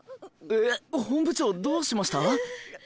え本部長どうしました？